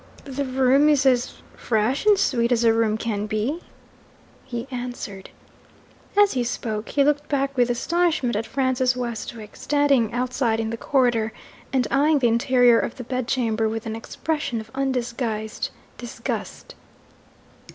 'The room is as fresh and sweet as a room can be,' he answered. As he spoke, he looked back with astonishment at Francis Westwick, standing outside in the corridor, and eyeing the interior of the bedchamber with an expression of undisguised disgust.